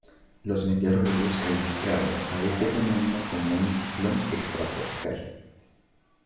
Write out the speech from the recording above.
Los meteorólogos calificaron a este fenómeno como un ciclón extratropical.